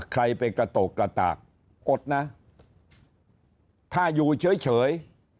ใครไปกระโตกกระตากอดนะถ้าอยู่เฉย